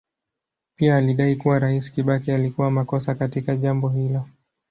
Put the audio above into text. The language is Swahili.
Pia alidai kuwa Rais Kibaki alikuwa makosa katika jambo hilo.